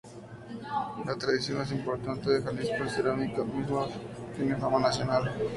La tradición más importante de Jalisco es la cerámica, misma que tiene fama nacional.